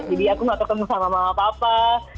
jadi aku gak ketemu sama mama papa